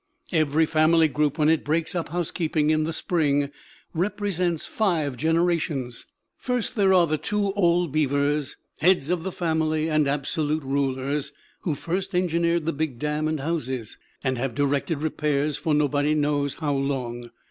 Every family group when it breaks up housekeeping in the spring represents five generations. First, there are the two old beavers, heads of the family and absolute rulers, who first engineered the big dam and houses, and have directed repairs for nobody knows how long.